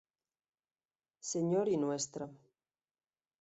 Señor y Ntra.